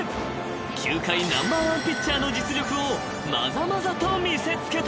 ［球界ナンバーワンピッチャーの実力をまざまざと見せつけた］